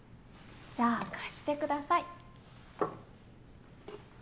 じゃあ貸してください。